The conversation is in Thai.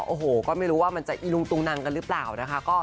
โอ้โหก็ไม่รู้ว่ามันจะอีลุงตุงนังกันหรือเปล่านะคะ